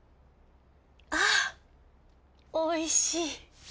あおいしい。